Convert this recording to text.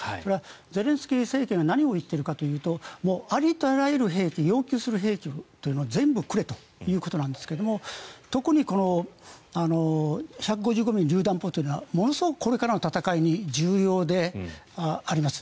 それはゼレンスキー政権が何を言っているかというとありとあらゆる兵器要求する兵器というのは全部くれということなんですが特に、この１５５ｍｍりゅう弾砲というのはものすごくこれからの戦いに重要であります。